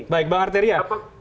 baik bang arteria